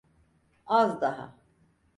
Az daha.